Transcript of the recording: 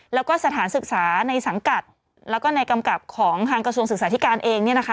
แล้วก็สถานศึกษาในสังกัดแล้วก็ในกำกับของทางกระทรวงศึกษาธิการเองเนี่ยนะคะ